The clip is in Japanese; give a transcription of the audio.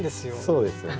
そうですよね。